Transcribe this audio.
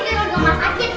di mana sih